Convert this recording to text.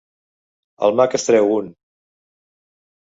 El mag en treu un.